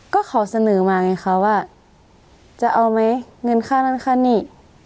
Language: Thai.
ก็เขาเสนอมาไงคะว่าจะเอาไหมเงินค่านั่นค่านี่